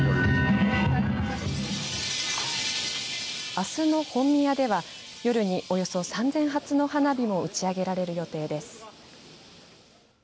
あすの本宮では夜におよそ３０００発の花火も打ち上げられる予定です。